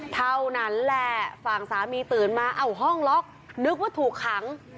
เท่านั้นแหละฝั่งสามีตื่นมาเอ้าห้องล็อกนึกว่าถูกขัง